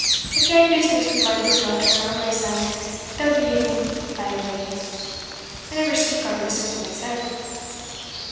If ye hae business wi' my gude daughter, or my son, they'll be in belyve, I never speak on business mysell.